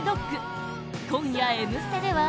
今夜、「Ｍ ステ」では